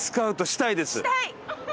したい！